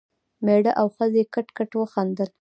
مېړه او ښځې کټ کټ وخندل.